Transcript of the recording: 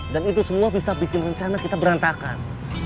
dan itu semua bisa bikin rencana kita berantakan